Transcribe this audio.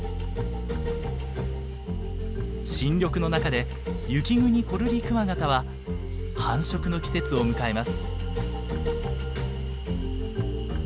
新緑の中でユキグニコルリクワガタは繁殖の季節を迎えます。